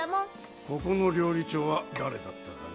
ここの料理長は誰だったかな？